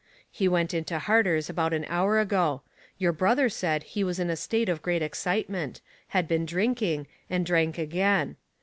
" He went into Harter's about an hour ago. Your brother said he was in a state of great excitement, had been drinking, and drank again.